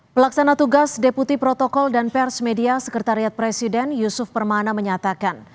pelaksana tugas deputi protokol dan pers media sekretariat presiden yusuf permana menyatakan